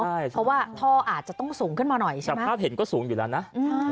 เพราะว่าท่ออาจจะต้องสูงขึ้นมาหน่อยใช่ไหมสภาพเห็นก็สูงอยู่แล้วนะ